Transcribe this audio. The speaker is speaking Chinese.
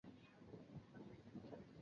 连珠绒兰为兰科绒兰属下的一个种。